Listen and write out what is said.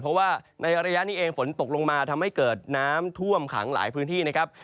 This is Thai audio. เพราะว่าในระยะนี้เองฝนตกลงมาทำให้เกิดน้ำท่วมขังหลายพื้นที่นะครับ